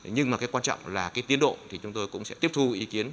nhưng mà cái quan trọng là cái tiến độ thì chúng tôi cũng sẽ tiếp thu ý kiến